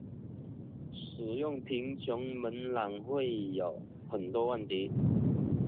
使用贫穷门槛会有很多问题。